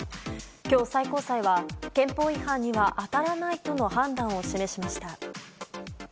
今日、最高裁は憲法違反には当たらないとの判断を示しました。